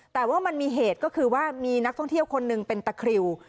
แต่ว่ามันมีเหตุก็คือว่ามีนักท่องเที่ยวคนหนึ่งเป็นตะคริว